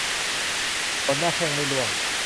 ขนหน้าแข้งไม่ร่วง